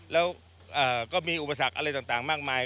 แล้วก็มีอุปสรรคอะไรต่างมากมาย